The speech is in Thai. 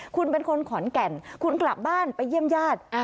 คุณเป็นคนขอนแก่นคุณกลับบ้านไปเยี่ยมญาติ